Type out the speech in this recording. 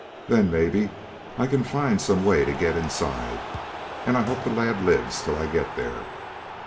Then, maybe, I can find some way to get inside; and I hope the lad lives till I get there."